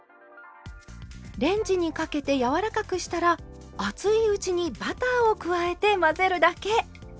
レンジにかけて柔らかくしたら熱いうちにバターを加えて混ぜるだけ。